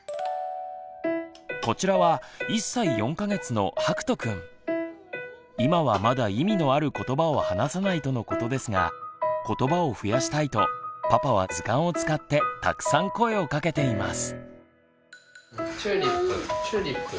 こちらは今はまだ意味のあることばを話さないとのことですがことばを増やしたいとパパは図鑑を使ってたくさん声をかけています。